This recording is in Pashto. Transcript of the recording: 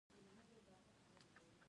زړه هیڅ استراحت نه کوي